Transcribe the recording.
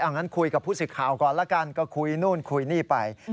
งั้นคุยกับผู้สิทธิ์ข่าวก่อนละกันก็คุยนู่นคุยนี่ไป